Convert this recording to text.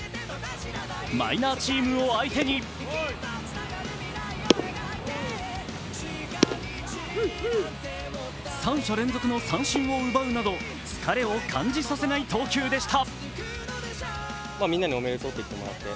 マイナーチームを相手に三者連続の三振を奪うなど、疲れを感じさせない投球でした。